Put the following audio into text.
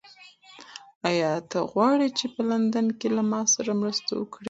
ایا ته غواړې چې په لندن کې له ما سره مرسته وکړې؟